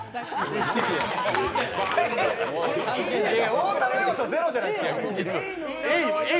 太田の要素ゼロじゃないですか！